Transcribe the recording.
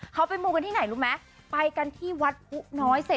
เขาไปมูกันที่ไหนรู้ไหมไปกันที่วัดผู้น้อยเสร็จ